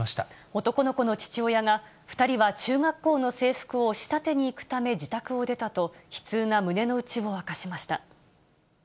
男の子の父親が、２人は中学校の制服を仕立てに行くため、自宅を出たと、悲痛な胸の内を明かしました。